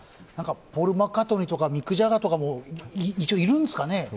ポール・マッカートニーとかミック・ジャガーとかも一応、いるんですかね？